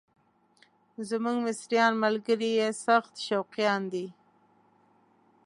زموږ مصریان ملګري یې سخت شوقیان دي.